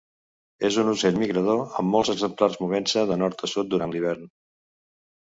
És un ocell migrador amb molts exemplars movent-se de nord a sud durant l'hivern.